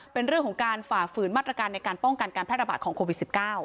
เป็นเรื่องของการฝ่าฝืนมาตรการในการป้องกันการแพร่ระบาดของโควิด๑๙